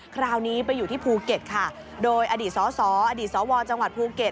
คราวนี้ไปอยู่ที่ภูเก็ตค่ะโดยอดีตสสอดีตสวจังหวัดภูเก็ต